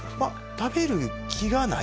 食べる気がない。